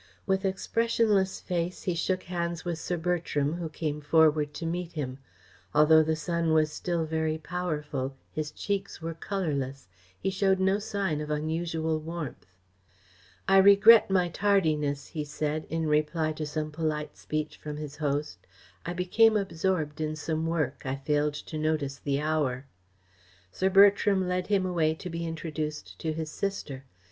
With expressionless face, he shook hands with Sir Bertram, who came forward to meet him. Although the sun was still very powerful, his cheeks were colourless, he showed no sign of unusual warmth. "I regret my tardiness," he said, in reply to some polite speech from his host. "I became absorbed in some work. I failed to notice the hour." Sir Bertram led him away to be introduced to his sister.